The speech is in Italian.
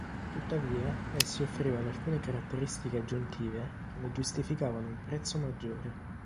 Tuttavia essi offrivano alcune caratteristiche aggiuntive che ne giustificavano un prezzo maggiore.